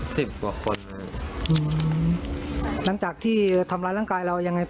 สิบกว่าคนเลยอืมหลังจากที่ทำร้ายร่างกายเรายังไง